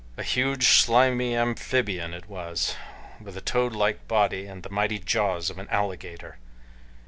A huge, slimy amphibian it was, with toad like body and the mighty jaws of an alligator.